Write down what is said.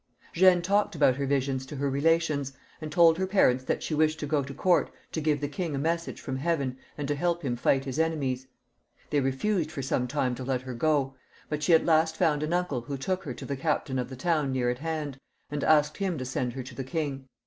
Jeanne talked about her visions to her relations, and told her parents that she wished to go to court to give the king a message from heaven and to help him fight his enemies* They refused for some time to let her go, but she at last found an uncle who took her to the captain of the town near at hand, and asked him to send her to the king.